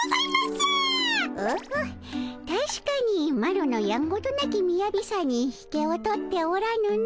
オホッたしかにマロのやんごとなき雅さに引けを取っておらぬの。